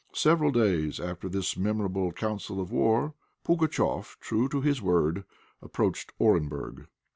Several days after this memorable council of war, Pugatchéf, true to his word, approached Orenburg.